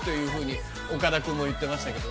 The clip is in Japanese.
映画岡田君も言ってましたけど。